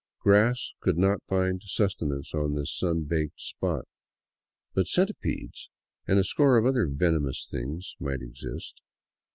Grass could not find sustenance on this sun baked spot, but centi pedes and a score of other venomous things might exist.